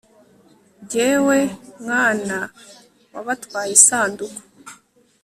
Jyewe mwana wabatwaye Isanduku